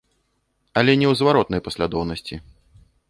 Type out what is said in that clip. Але не ў зваротнай паслядоўнасці.